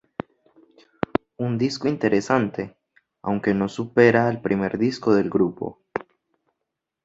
Un disco interesante, aunque no supera al primer disco del grupo.